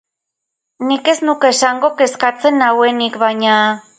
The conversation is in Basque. Nik ez nuke esango kezkatzen nauenik, baina...